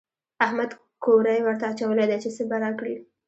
احمد کوری ورته اچولی دی چې څه به راکړي.